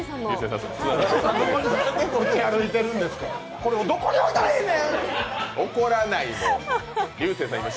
これ、どこに置いたらええねん。